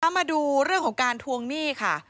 มาดูเรื่องของการทวงหนี้ค่ะ